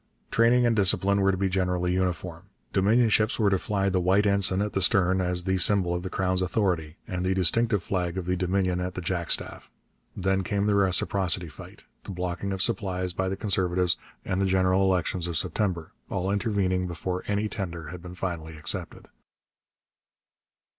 Training and discipline were to be generally uniform. Dominion ships were to fly the white ensign at the stern as the symbol of the Crown's authority and the distinctive flag of the Dominion at the jack staff. Then came the reciprocity fight, the blocking of supplies by the Conservatives, and the general elections of September, all intervening before any tender had been finally accepted.